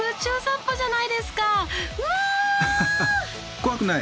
怖くない？